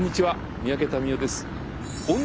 三宅民夫です。